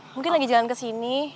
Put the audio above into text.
mungkin lagi jalan kesini